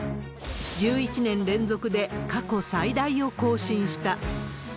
１１年連続で過去最大を更新した。